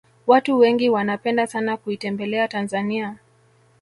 watu wengi wanapenda sana kuitembelea tanzania